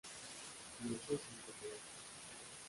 Diócesis de Tabasco